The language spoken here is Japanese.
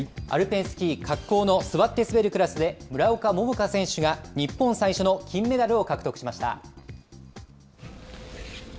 アルペンスキー滑降の座って滑るクラスで、村岡桃佳選手が日本最初の金メダルを獲得しました。